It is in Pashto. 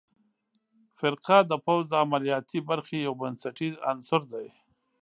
فرقه د پوځ د عملیاتي برخې یو بنسټیز عنصر دی.